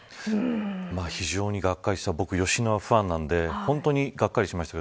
非常にがっかりした僕、吉野家ファンなんで本当にがっかりしました。